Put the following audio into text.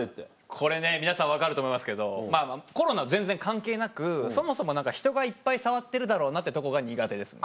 これね皆さん分かると思いますけどコロナ全然関係なくそもそも人がいっぱい触ってるだろうなってとこが苦手ですね。